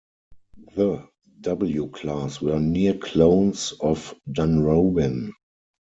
The W class were near-clones of "Dunrobin".